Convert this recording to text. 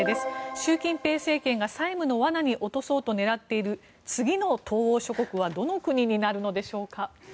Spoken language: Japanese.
習近平政権が債務の罠に落とそうと狙っている次の東欧諸国はどの国になるのでしょうか。